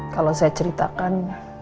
kalau saya ceritakan